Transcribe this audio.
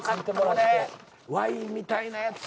ワインみたいなやつ。